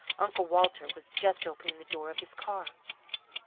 Uncle Walter was just opening the door of his car.